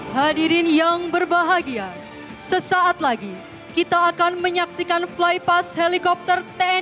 hadirin yang berbahagia sesaat lagi kita akan menyaksikan fly pass helikopter tni angkatan